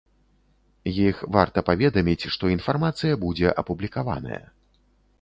Іх варта паведаміць, што інфармацыя будзе апублікаваная.